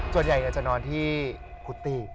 ส่วนใหญ่จะนอนที่คุตตี้